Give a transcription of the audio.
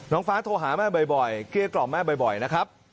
ฟ้าโทรหาแม่บ่อยเกลี้ยกล่อมแม่บ่อยนะครับ